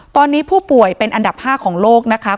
ตอนนี้ผู้ป่วยเป็นอันดับ๕ของโลกนะคะ